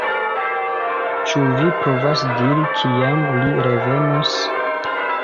Ĉu vi povas diri, kiam li revenos?